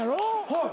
はい。